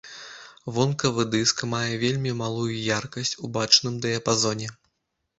Вонкавы дыск мае вельмі малую яркасць у бачным дыяпазоне.